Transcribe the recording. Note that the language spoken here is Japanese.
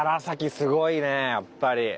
すごいねやっぱり。